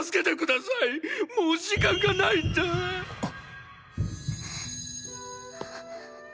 もう時間がないんだ！っ！！